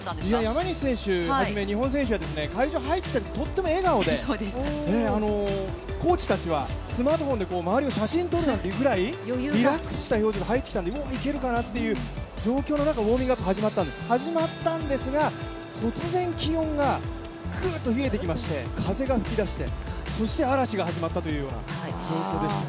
山西選手はじめ日本選手は会場に入ってくるときとっても笑顔で、コーチたちはスマートフォンで周りを写真を撮るぐらいリラックスした表情も入ってきたのでうわ、いけるかなっていう状況の中ウォーミングアップ、始まったんですが、突然気温がぐっと冷えてきまして風が吹きだして、そして嵐が始まったというような状況ですね。